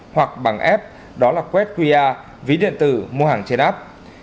hoặc bằng app đó là quét qr ví điện tử mua hàng trên app